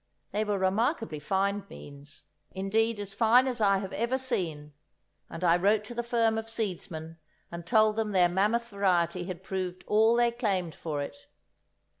They were remarkably fine beans, indeed as fine as I have ever seen; and I wrote to the firm of seedsmen and told them their mammoth variety had proved all they claimed for it.